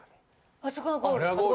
あそこがゴール？